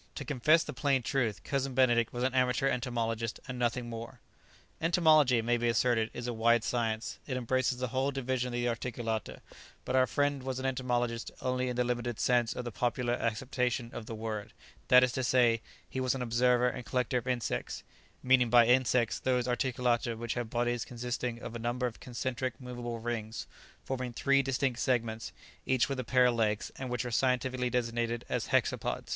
To confess the plain truth, Cousin Benedict was an amateur entomologist, and nothing more. Entomology, it may be asserted, is a wide science; it embraces the whole division of the articulata; but our friend was an entomologist only in the limited sense of the popular acceptation of the word; that is to say, he was an observer and collector of insects, meaning by "insects" those articulata which have bodies consisting of a number of concentric movable rings, forming three distinct segments, each with a pair of legs, and which are scientifically designated as hexapods.